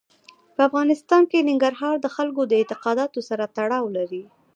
په افغانستان کې ننګرهار د خلکو د اعتقاداتو سره تړاو لري.